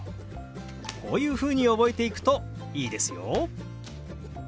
こういうふうに覚えていくといいですよ。